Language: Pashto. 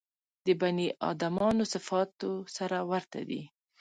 د بني ادمانو صفاتو سره ورته دي.